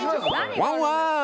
ワンワーン！